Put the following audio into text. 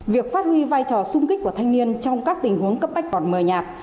việc phát huy vai trò sung kích của thanh niên trong các tình huống cấp bách còn mờ nhạt